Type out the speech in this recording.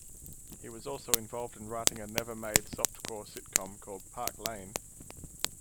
He was also involved in writing a never-made softcore sitcom called "Park Lane".